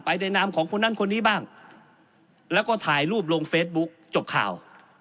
ในนามของคนนั้นคนนี้บ้างแล้วก็ถ่ายรูปลงเฟซบุ๊กจบข่าว